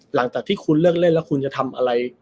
หลังจากที่คุณเลิกเล่นแล้วคุณจะทำอะไร